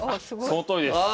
そのとおりです！